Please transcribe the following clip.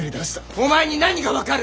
お前に何が分かる！